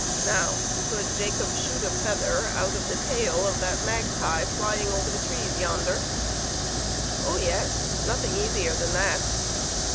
Now, could Jacob shoot a feather out of the tail of the magpie flying over the trees yonder? Oh yes! nothing easier than that.